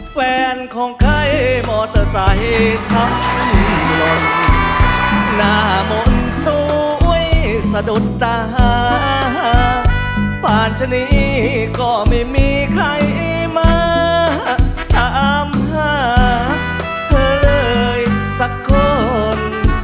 แฟนของใครมอเตอร์ไซค์ทำหล่นหน้ามนต์สวยสะดุดตาหาปานชะนีก็ไม่มีใครมาถามหาเธอเลยสักคน